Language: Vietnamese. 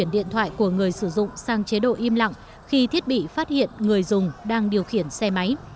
điện thoại của người sử dụng sang chế độ im lặng khi thiết bị phát hiện người dùng đang điều khiển xe máy